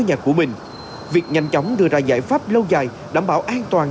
nhà của mình việc nhanh chóng đưa ra giải pháp lâu dài đảm bảo an toàn